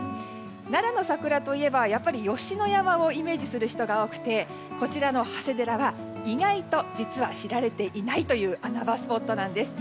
奈良の桜といえばやっぱり吉野山をイメージする人が多くてこちらの長谷寺は意外と実は知られていないという穴場スポットなんです。